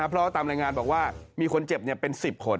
เพราะตามรายงานบอกว่ามีคนเจ็บเป็น๑๐คน